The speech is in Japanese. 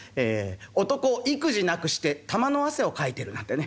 「男意気地なくして玉の汗をかいてる」なんてね。